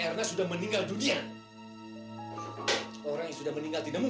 eh red apa ada hubungannya dengan ilmu hitam